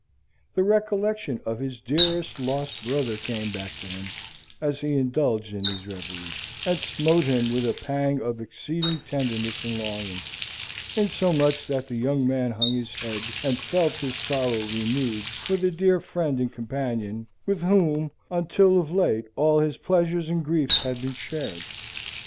The recollection of his dearest lost brother came back to him as he indulged in these reveries, and smote him with a pang of exceeding tenderness and longing, insomuch that the young man hung his head and felt his sorrow renewed for the dear friend and companion with whom, until of late, all his pleasures and griefs had been shared.